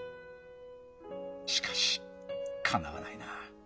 しかしかなわないな。